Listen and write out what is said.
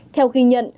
theo ghi nhận